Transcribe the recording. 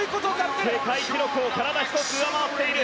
世界記録を体１つ上回っている。